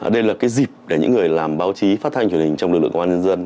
đây là cái dịp để những người làm báo chí phát thanh truyền hình trong lực lượng công an nhân dân